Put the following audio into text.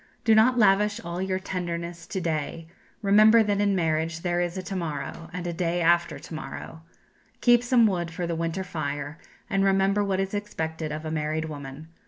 Do not lavish all your tenderness to day; remember that in marriage there is a to morrow and a day after to morrow. Keep some wood for the winter fire, and remember what is expected of a married woman.